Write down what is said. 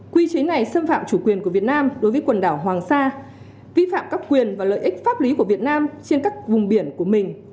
quy chế này xâm phạm chủ quyền của việt nam đối với quần đảo hoàng sa vi phạm các quyền và lợi ích pháp lý của việt nam trên các vùng biển của mình